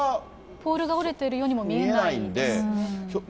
ポールが折れてるようにも見えないですね。